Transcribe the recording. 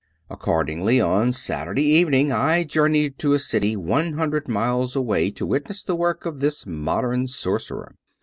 Accordingly, on Saturday evening, I journeyed to a city one hundred miles away to witness the work of this mod em sorcerer.